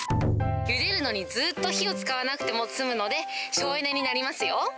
ゆでるのにずっと火を使わなくても済むので、省エネになりますよ。